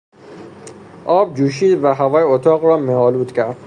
آب جوشید و هوای اتاق را مهآلود کرد.